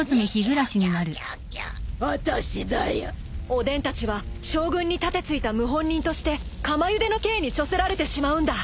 ［おでんたちは将軍に盾突いた謀反人として釜茹での刑に処せられてしまうんだ］